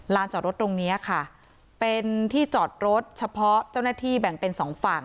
จอดรถตรงนี้ค่ะเป็นที่จอดรถเฉพาะเจ้าหน้าที่แบ่งเป็นสองฝั่ง